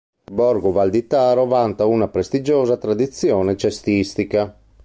Borgo Val di Taro vanta una prestigiosa tradizione cestistica.